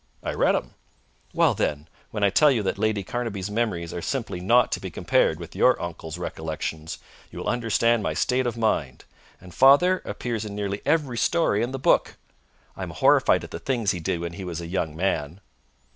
'" "I read 'em!" "Well, then, when I tell you that Lady Carnaby's Memories are simply not to be compared with your uncle's Recollections, you will understand my state of mind. And father appears in nearly every story in the book! I am horrified at the things he did when he was a young man!"